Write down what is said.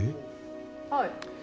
はい。